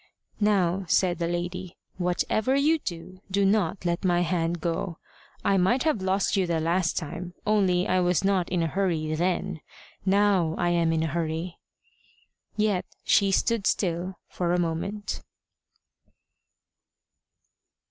"Now," said the lady, "whatever you do, do not let my hand go. I might have lost you the last time, only I was not in a hurry then: now I am in a hurry." Yet she stood still for a moment.